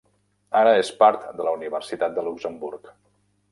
Ara és part de la Universitat de Luxemburg.